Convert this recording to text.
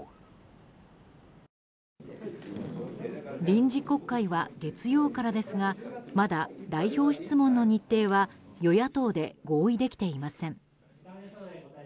臨時国会は月曜からですがまだ代表質問の日程は与野党で合意できていません。